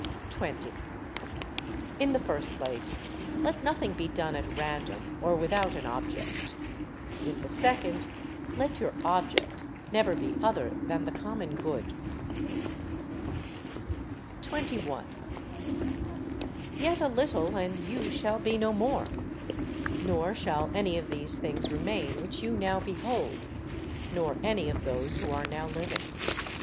20. In the first place, let nothing be done at random or without an object. In the second let your object never be other than the common good. 21. Yet a little, and you shall be no more; nor shall any of these things remain which you now behold, nor any of those who are now living.